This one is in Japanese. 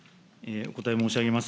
お答え申し上げます。